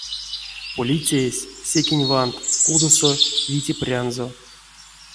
Полицеесь, секень вант, кудосо, вити прянзо.